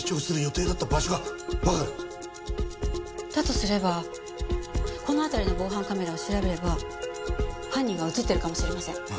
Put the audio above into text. とすればこの辺りの防犯カメラを調べれば犯人が映ってるかもしれません。